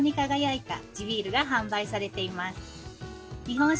はい。